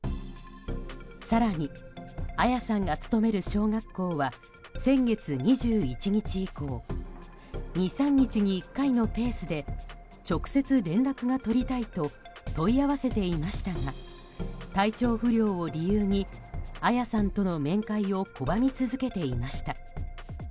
更に、彩さんが勤める小学校は先月２１日以降２３日に１回のペースで直接連絡が取りたいと問い合わせていましたが体調不良を理由に彩さんとの面会を拒み続けていました。